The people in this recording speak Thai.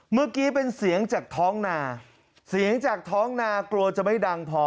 เมื่อกี้เป็นเสียงจากท้องนาเสียงจากท้องนากลัวจะไม่ดังพอ